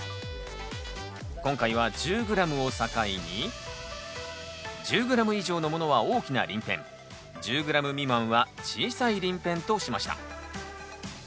今回は１０ｇを境に１０ｇ以上のものは大きな鱗片１０ｇ未満は小さい鱗片としました。